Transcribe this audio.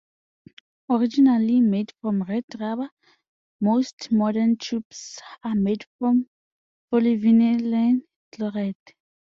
Originally made from red rubber, most modern tubes are made from polyvinyl chloride.